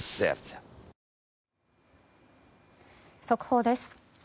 速報です。